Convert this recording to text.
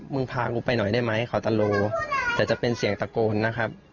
มึงพากูไปหน่อยได้ไหมเขาตะโลแต่จะเป็นเสียงตะโกนนะครับ